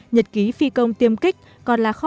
nhật ký phi công tiêm kích còn là kho dữ liệu lịch sử